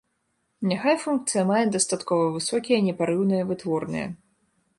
Няхай функцыя мае дастаткова высокія непарыўныя вытворныя.